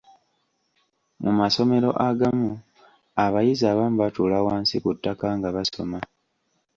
Mu masomero agamu, abayizi abamu batuula wansi ku ttaka nga basoma.